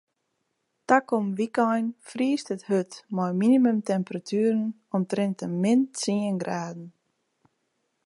Takom wykein friest it hurd mei minimumtemperatueren omtrint de min tsien graden.